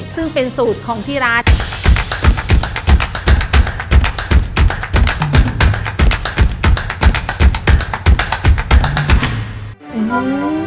ซึ่งเป็นสูตรของที่ร้าน